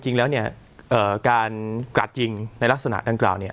จริงแล้วเนี้ยเอ่อการกระดจิงในลักษณะด้านกล่าวเนี้ย